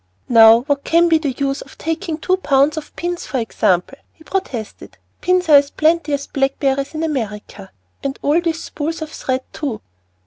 "Now what can be the use of taking two pounds of pins, for example?" he protested. "Pins are as plenty as blackberries in America. And all those spools of thread too!"